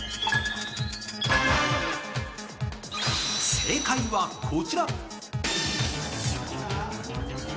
正解はこちら！